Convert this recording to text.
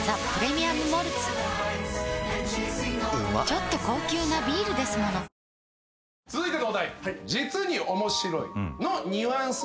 ちょっと高級なビールですもの続いてのお題。